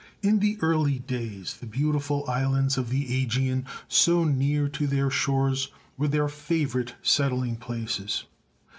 In the early days the beautiful islands of the ^Egean, so near to their shores, were their favourite settling places.